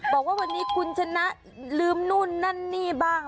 บอกว่าวันนี้คุณชนะลืมนู่นนั่นนี่บ้าง